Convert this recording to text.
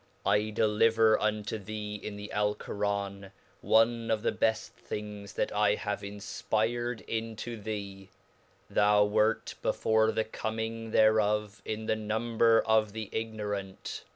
I deliver unto thee in the Alcoran, one of. the beft .things that I have infpired into thee. Thou were be&re thecomming thereof, in the number of the ignorant.